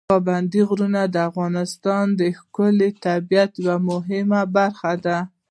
پابندي غرونه د افغانستان د ښکلي طبیعت یوه مهمه برخه ده.